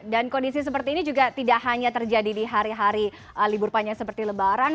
dan kondisi seperti ini juga tidak hanya terjadi di hari hari libur panjang seperti lebaran